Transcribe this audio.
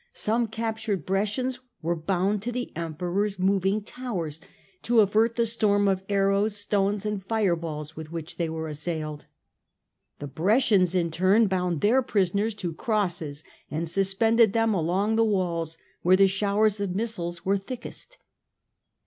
Some captured Brescians were bound to the Emperor's moving towers to avert the storm of arrows, stones and fire balls with which they were assailed. The Brescians in turn bound their prisoners to crosses and suspended them along the walls where the showers of missiles were thickest.